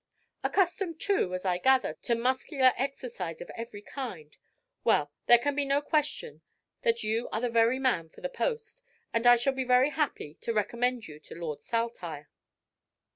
"Accustomed too, as I gather, to muscular exercise of every kind. Well, there can be no question that you are the very man for the post, and I shall be very happy to recommend you to Lord Saltire."